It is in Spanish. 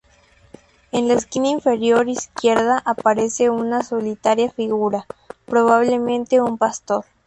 En la esquina inferior izquierda aparece una solitaria figura, probablemente un pastor.